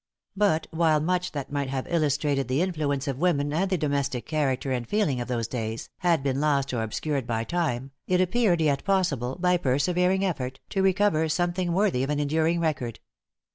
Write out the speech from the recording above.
But while much that might have illustrated the influence of woman and the domestic character and feeling of those days, had been lost or obscured by time, it appeared yet possible, by persevering effort, to recover something worthy of an enduring record.